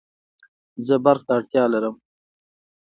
زه برق ته اړتیا لرم